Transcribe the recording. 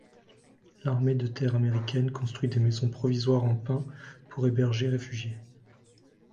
L'armée de terre américaine construisit maisons provisoires en pin pour héberger réfugiés.